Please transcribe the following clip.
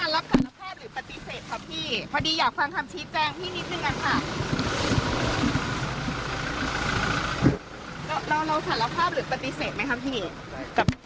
รอเราสารภาพหรือปฏิเสธไหมครับพี่